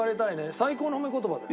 最高の褒め言葉だよ。